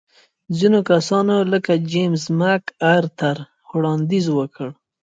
ځینو کسانو لکه جېمز مک ارتر وړاندیز وکړ.